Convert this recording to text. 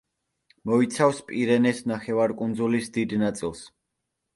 მოიცავს პირენეს ნახევარკუნძულის დიდ ნაწილს.